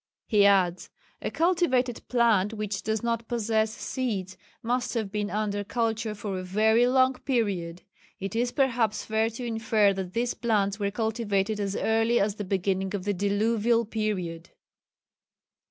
He adds, "a cultivated plant which does not possess seeds must have been under culture for a very long period ... it is perhaps fair to infer that these plants were cultivated as early as the beginning of the Diluvial period."